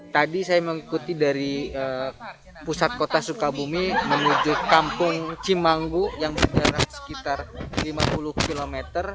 tadi saya mengikuti dari pusat kota sukabumi menuju kampung cimanggu yang berjarak sekitar lima puluh km